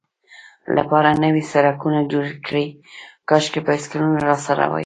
لپاره نوي سړکونه جوړ کړي، کاشکې بایسکلونه راسره وای.